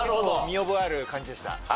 見覚えある漢字でした。